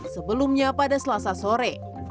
sebelumnya pada selasa sore